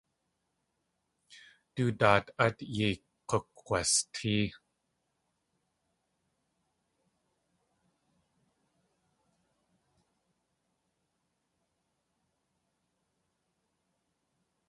Du daat át yei k̲ukg̲wastée.